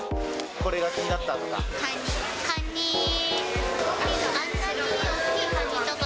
これが気になったとか？